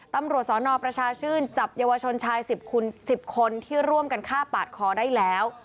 ตำรวจสนประชาชื่นจับเยาวชนชาย๑๐คนที่ร่วมกันฆ่าปาดคอได้แล้ว